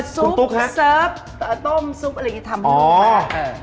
อ่่อซูปเสิร์ฟต้มอะไรล่ะทั้งดีทำลูก